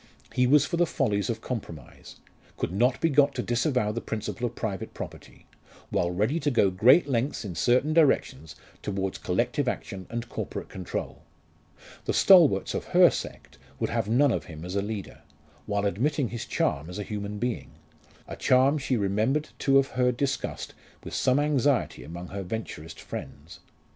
He was for the follies of compromise could not be got to disavow the principle of private property, while ready to go great lengths in certain directions towards collective action and corporate control. The "stalwarts" of her sect would have none of him as a leader, while admitting his charm as a human being a charm she remembered to have heard discussed with some anxiety among her Venturist friends.